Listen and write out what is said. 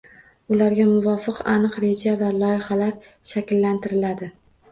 Ularga muvofiq, aniq reja va loyihalar shakllantiriladi.